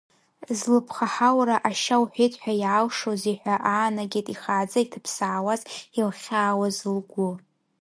Злыԥхаҳаура, ашьа уҳәеит ҳәа иаалшозеи ҳәа аанагеит ихааӡа иҭыԥсаауаз, илхьаауаз лгәы.